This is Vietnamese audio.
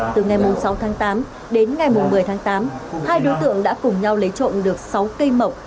từ ngày sáu tháng tám đến ngày một mươi tháng tám hai đối tượng đã cùng nhau lấy trộm được sáu cây mộc